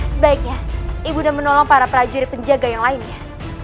sebaiknya ibunda menolong para prajurit penjaga yang lainnya